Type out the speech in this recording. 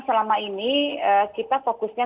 selama ini kita fokusnya